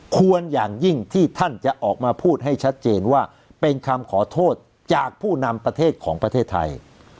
ควรอย่างยิ่งที่ท่านจะออกมาพูดให้ชัดเจนว่าเป็นคำขอโทษจากผู้นำประเทศของประเทศไทย